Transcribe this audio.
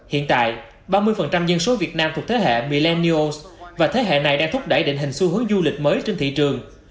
hiện tại ba mươi dân số việt nam thuộc thế hệ milanios và thế hệ này đang thúc đẩy định hình xu hướng du lịch mới trên thị trường